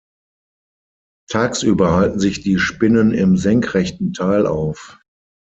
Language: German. Tagsüber halten sich die Spinnen im senkrechten Teil auf.